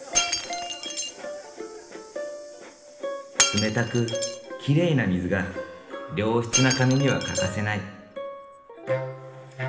冷たくきれいな水が良質な紙には欠かせない。